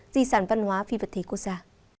di sản văn hóa phi vật thể quốc gia